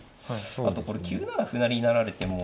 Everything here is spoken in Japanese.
あとこれ９七歩成成られても。